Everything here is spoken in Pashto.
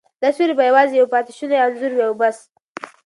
دا سیوری به یوازې یو پاتې شونی انځور وي او بس.